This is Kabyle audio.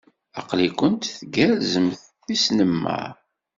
Aql-ikent tgerrzemt! Tisnemmar!